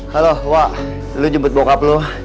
halo wak lu jemput bokap lu